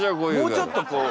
もうちょっとこう。